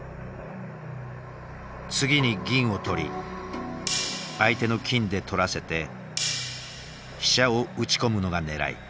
次に銀を取り相手の金で取らせて飛車を打ち込むのがねらい。